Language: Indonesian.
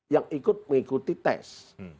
yang ikut mengikuti tes